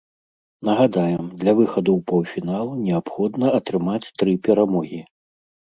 Нагадаем, для выхаду ў паўфінал неабходна атрымаць тры перамогі.